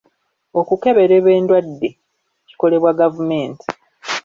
Okukeberebwa endwadde kukolebwa gavumenti.